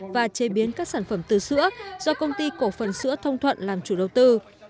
và chế biến các sản phẩm từ sữa do công ty cổ phần sữa thông thuận làm chủ đầu tư